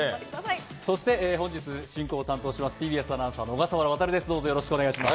本日、進行を担当します、ＴＢＳアナウンサーの小笠原亘です。